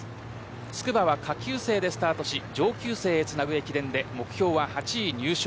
筑波は下級生でスタートし上級生へつなぐ駅伝で目標は８位入賞。